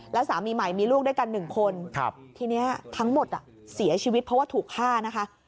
แล้วสามีใหม่มีลูกด้วยกัน๑คนทีนี้ทั้งหมดเสียชีวิตเพราะว่าถูกฆ่านะคะ